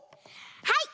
はい！